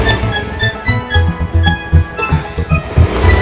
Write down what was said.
assalamualaikum warahmatullahi wabarakatuh